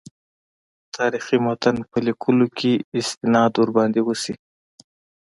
تاریخي متن په لیکلو کې استناد ورباندې وشي.